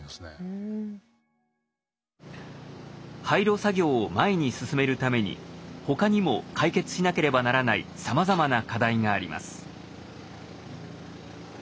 廃炉作業を前に進めるために他にも解決しなければならないさまざまな課題があります。